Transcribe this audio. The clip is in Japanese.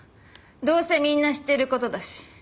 どうせみんな知ってる事だし。